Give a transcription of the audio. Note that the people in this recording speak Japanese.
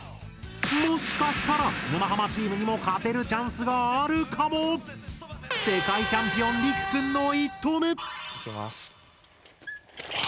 もしかしたら沼ハマチームにも勝てるチャンスがあるかも⁉世界チャンピオンりくくんの１投目！いきます。